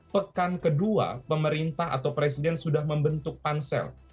pekan kedua pemerintah atau presiden sudah membentuk pansel